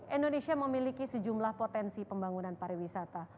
indonesia memiliki sejumlah potensi pembangunan pariwisata